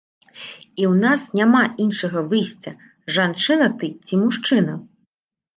І ў нас няма іншага выйсця, жанчына ты ці мужчына.